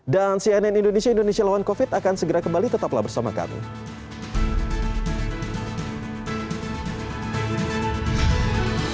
dan cnn indonesia indonesia lawan covid akan berbagi tentang vaksinasi booster ini